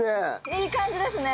いい感じですね。